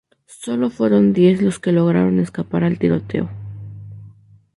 Sólo fueron diez los que lograron escapar al tiroteo.